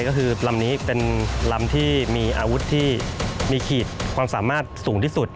ก็คือลำนี้เป็นลำที่มีอาวุธที่มีขีดความสามารถสูงที่สุด